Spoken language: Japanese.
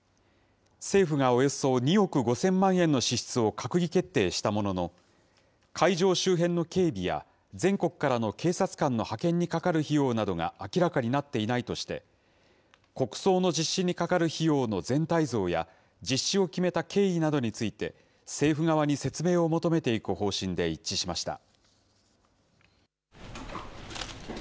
政府が、およそ２億５０００万円の支出を閣議決定したものの、会場周辺の警備や全国からの警察官の派遣にかかる費用などが明らかになっていないとして、国葬の実施にかかる費用の全体像や、実施を決めた経緯などについて、政府側に説明を求めていく方針で一致しました。